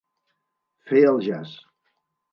Fer el jas.